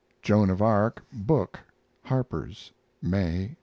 JOAN OF ARC book (Harpers) May.